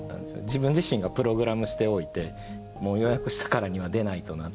自分自身がプログラムしておいてもう予約したからには出ないとなっていう。